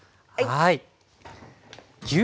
はい。